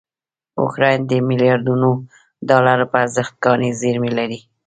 اوکراین دمیلیاردونوډالروپه ارزښت کاني زېرمې لري.